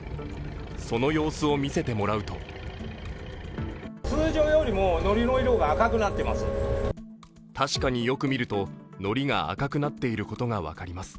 その様子を見せてもらうと確かによく見ると、のりが赤くなっていることが分かります。